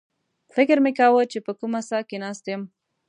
فکر مې کاوه چې په کومه څاه کې ناست یم.